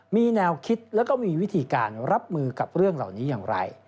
มีแนวคิดแล้วก็มีวิธีการรับมือกับเรื่องเหล่านี้อย่างไร